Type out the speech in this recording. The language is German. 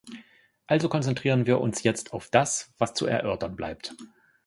Also konzentrieren wir uns jetzt auf das, was zu erörtern bleibt.